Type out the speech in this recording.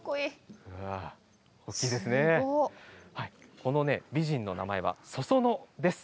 この美人の名前はソソノです。